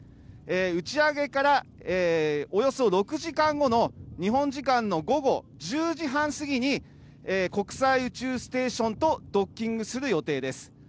打ち上げからおよそ６時間後の日本時間の午後１０時半過ぎに、国際宇宙ステーションとドッキングする予定です。